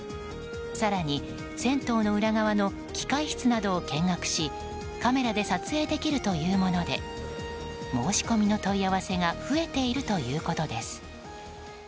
更に、銭湯の裏側の機械室などを見学しカメラで撮影できるというもので申し込みの問い合わせが増えているということです。